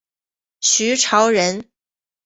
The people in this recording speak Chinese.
徐潮人。